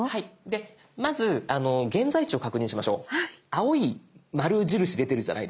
青い丸印出てるじゃないですか。